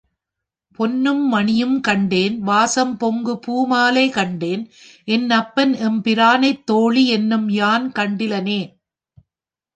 பொன்னும் மணியும் கண்டேன் வாசம் பொங்கு பூ மாலை கண்டேன் என்னப்பன் எம்பிரானைத் தோழி இன்னும் யான் கண்டிலனே.